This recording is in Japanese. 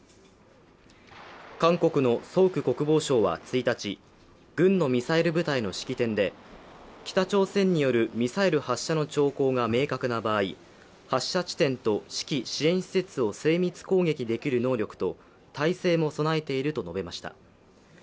韓国のソ・ウク国防相は１日、軍のミサイル部隊の式典で北朝鮮によるミサイル発射の兆候が明確な場合発射地点と指揮・支援施設を精密攻撃できる能力と態勢も備えていると述べました。